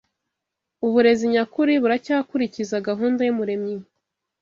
uburezi nyakuri buracyakurikiza gahunda y’Umuremyi